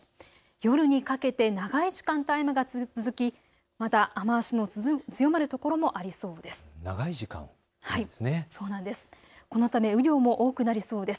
夜にかけて長い時間、雨が続きまた雨足の強まる所もありそうです。